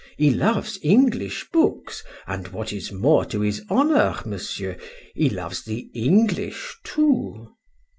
—He loves English books! and what is more to his honour, Monsieur, he loves the English too.